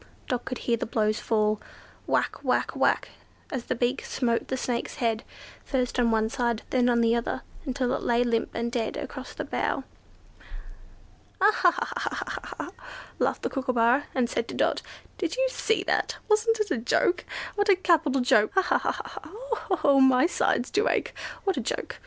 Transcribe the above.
Dot could hear the blows fall,—whack, whack, whack,—as the beak smote the Snake's head; first on one side, then on the other, until it lay limp and dead across the bough. "Ah! ah! ah! Ah! ah! ah!" laughed the Kookooburra, and said to Dot, "Did you see all that? Wasn't it a joke? What a capital joke! Ha! ha! ha! ha! ha! Oh! oh! oh! How my sides do ache! What a joke!